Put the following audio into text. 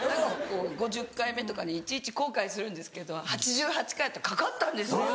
５０回目とかにいちいち後悔するんですけど８８回でかかったんですよ！